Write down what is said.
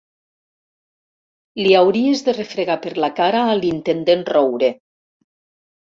Li hauries de refregar per la cara a l'intendent Roure.